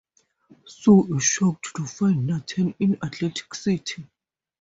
Sue is shocked to find Nanette in Atlantic City.